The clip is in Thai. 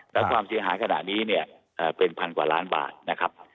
แล้วความเสียหายขณะนี้เนี่ยเป็นพันกว่าล้านบาทนะครับ